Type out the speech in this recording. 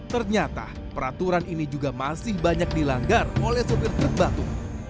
ternyata peraturan ini juga masih banyak dilanggar oleh sopir truk batu